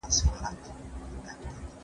زه له سهاره د سبا لپاره د سوالونو جواب ورکوم